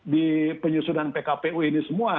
di penyusunan pkpu ini semua